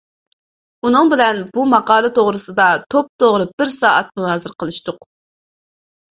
ئۇنىڭ بىلەن بۇ ماقالە توغرىسىدا توپتوغرا بىر سائەت مۇنازىرە قىلىشتۇق.